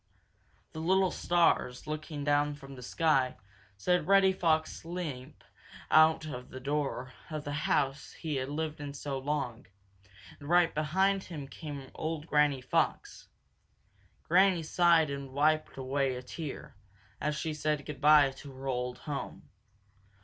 The little stars, looking down from the sky, saw Reddy Fox limp out the door of the house he had lived in so long, and right behind him came old Granny Fox. Granny sighed and wiped away a tear, as she said good by to her old home.